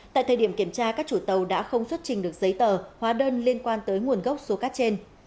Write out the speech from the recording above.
tại thời điểm kiểm tra các chủ tàu đã không xuất trình được giấy tờ hóa đơn liên quan tới nguồn gốc số cát trên